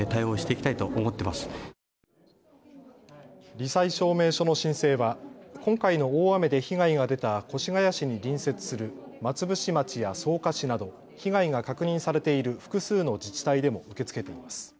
り災証明書の申請は今回の大雨で被害が出た越谷市に隣接する松伏町や草加市など被害が確認されている複数の自治体でも受け付けています。